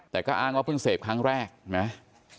แต่ก็อ้างว่าเพิ่งเสพครั้งแรกเห็นไหม